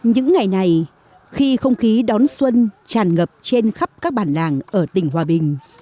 những ngày này khi không khí đón xuân tràn ngập trên khắp các bản làng ở tỉnh hòa bình